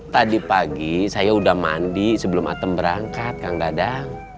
tadi pagi saya udah mandi sebelum atem berangkat kang dadang